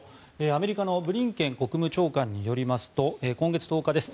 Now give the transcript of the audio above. アメリカのブリンケン国務長官によりますと今月１０日です。